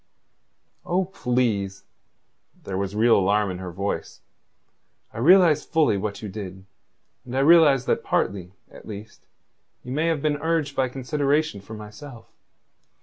"Oh, please." There was real alarm in her voice. "I realize fully what you did, and I realize that partly, at least, you may have been urged by consideration for myself.